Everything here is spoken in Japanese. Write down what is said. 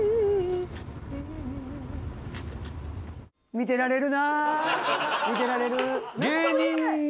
見てられる。